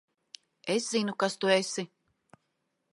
Es zinu, kas tu esi.